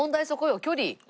距離。